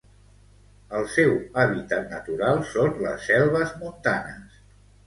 El seu hàbitat natural són les selves montanes.